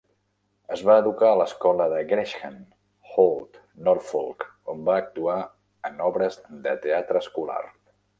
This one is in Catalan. Es va educar a l'escola de Gresham, Holt, Norfolk, on va actuar en obres de teatre escolar.